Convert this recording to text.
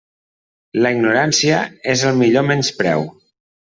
La ignorància és el millor menyspreu.